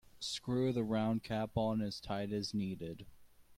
Screw the round cap on as tight as needed.